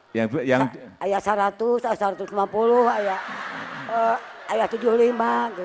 ayah rp seratus ayah rp satu ratus lima puluh ayah rp tujuh puluh lima